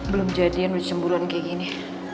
belum jadian udah cemburu kayak gini